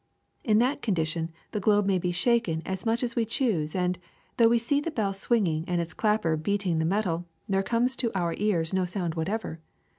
In that condition the globe may be shaken as much as we choose and, though we see the bell swing ing and its clapper beating the metal, there comes to our ears no sound whatever.